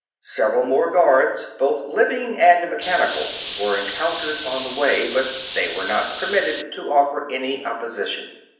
Several more guards, both living and mechanical, were encountered on the way, but they were not permitted to offer any opposition.